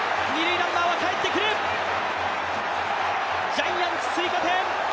ジャイアンツ追加点！